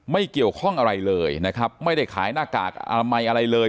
ไม่เกี่ยวข้องอะไรเลยนะครับไม่ได้ขายหน้ากากอนามัยอะไรเลย